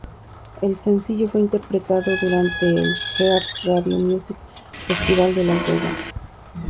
El sencillo fue interpretado durante el iHeartRadio Music Festival en Las Vegas.